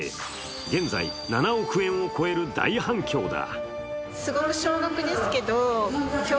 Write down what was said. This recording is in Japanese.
現在７億円を超える大反響だ。